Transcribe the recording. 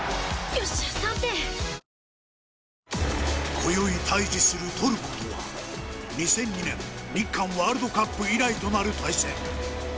今宵対峙するトルコとは２００２年、日韓ワールドカップ以来となる対戦。